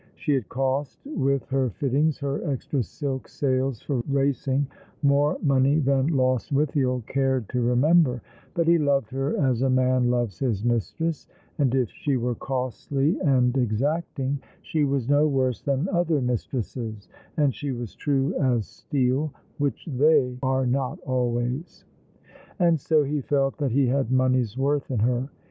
She had cost, with her fittings, her extra silk sails for racing, more money than Lostwithiel cared to remember ; but he loved her as a man loves his mistress, and if she were costly and exacting, she was no worse than other mistresses, and she was true as steel, which they are not always ; and £0 he felt that he had money's worth in her.